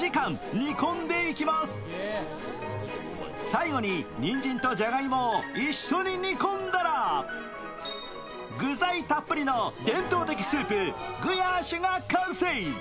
最後に、にんじんとじゃがいもを一緒に煮込んだら、具材たっぷりの伝統的スープ、グヤーシュが完成。